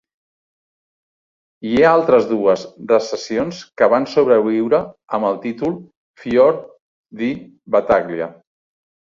Hi ha altres dues recensions que van sobreviure amb el títol "Fior di Battaglia".